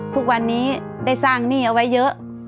ทุกวันนี้ได้สร้างหนี้เอาไว้เยอะ